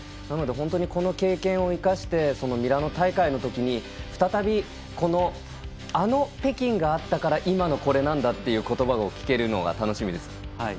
なので本当にこの経験を生かしてミラノ大会のときに再び、あの北京があったから今のこれなんだという言葉を聞けるのが楽しみです。